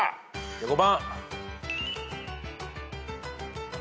５番。